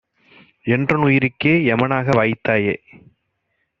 என்றனுயி ருக்கே எமனாக வாய்த்தாயே!